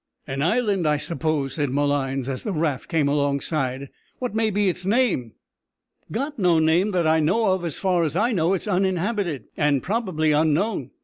"An island, I suppose," said Malines, as the raft came alongside. "What may be its name?" "Got no name that I know of; as far as I know it's uninhabited, and, probably, unknown.